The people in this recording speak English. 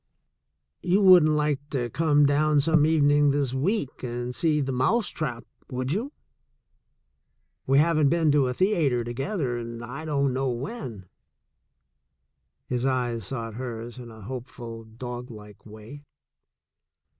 "You wouldn't like to come down some evening this week and see The Mouse Trap,' would you? We haven't been to a theater together in I don't know when." His eyes sought hers in a hopeful, doglike way.